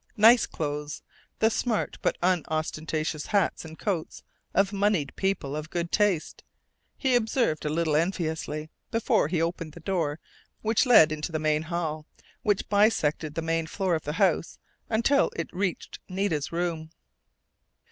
Nice clothes the smart but unostentatious hats and coats of moneyed people of good taste, he observed a little enviously, before he opened the door which led into the main hall which bisected the main floor of the house until it reached Nita's room.